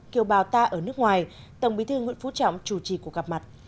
kêu bào ta ở nước ngoài tổng bí thư nguyễn phú trọng chủ trì của gặp mặt